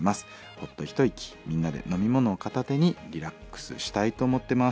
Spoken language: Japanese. ほっと一息みんなで飲み物を片手にリラックスしたいと思ってます。